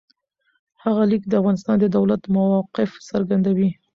هغه لیک د افغانستان د دولت موقف څرګندوي.